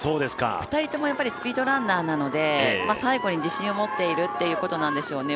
２人ともスピードランナーなので最後に自信を持っているということなんでしょうね。